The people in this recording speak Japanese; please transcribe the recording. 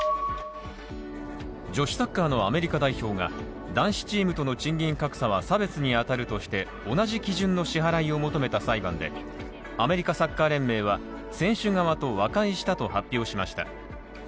女子サッカーのアメリカ代表が男子チームとの賃金格差は差別に当たるとして同じ基準の支払いを求めた裁判でアメリカサッカー連盟は選手側と和解したと発表しました。